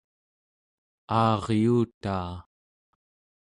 aaryuutaa